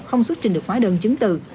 không xuất trình được hóa đơn chứng từ